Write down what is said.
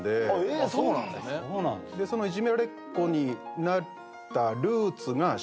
そのいじめられっ子になったルーツが。